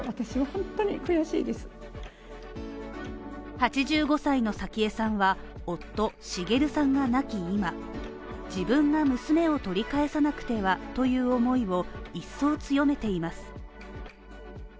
８５歳の早紀江さんは、夫・滋さんが亡き今、自分が娘を取り返さなくてはという思いを一層強めています。